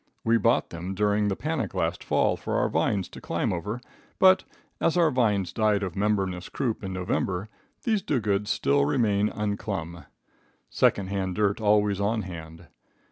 We bought them during the panic last fall for our vines to climb over, but, as our vines died of membranous croup in November, these dogoods still remain unclum. Second hand dirt always on hand.